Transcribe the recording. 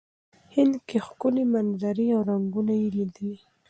هند کې ښکلې منظرې او رنګونه یې لیدلي.